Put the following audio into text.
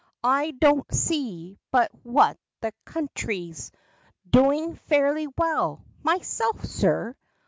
I don't see but what the country's Doin' faarly well, myself, sir!